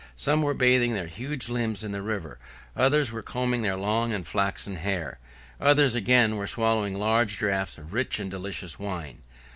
Some were bathing their huge limbs in the river; others were combing their long and flaxen hair; others again were swallowing large draughts of rich and delicious wine.